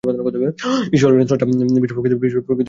ঈশ্বর হইলেন স্রষ্টা, বিশ্বপ্রকৃতি তাঁহার সৃষ্টি।